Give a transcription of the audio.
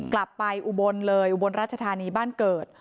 อุบลเลยอุบลราชธานีบ้านเกิด